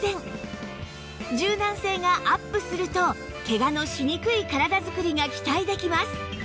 柔軟性がアップするとケガのしにくい体づくりが期待できます